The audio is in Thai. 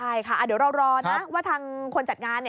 ใช่ค่ะเดี๋ยวเรารอนะว่าทางคนจัดงาน